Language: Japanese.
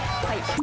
はい。